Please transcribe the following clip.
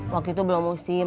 waktu itu belum musim